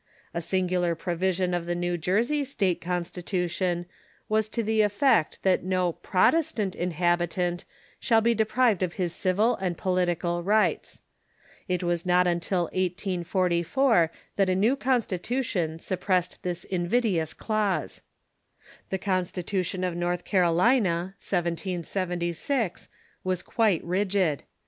A singular provision of the New Jersey state constitution was to the ef fect tliat no Protestant inhabitant shall be deprived of his civil and political rights. It was not till 1844 that a new consti tion suppressed this invidious clause. The constitution of North Carolina (1776) was quite rigid.